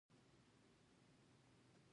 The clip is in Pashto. د پښتنو په کلتور کې د ښځو حیا د دوی ښکلا ده.